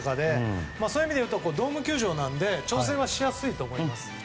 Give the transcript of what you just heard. そういう意味ではドーム球場なので調整はしやすいと思います。